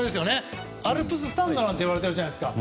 アルプススタンドって言われているじゃないですか。